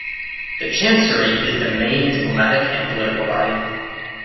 The Chancery is the main diplomatic and political body.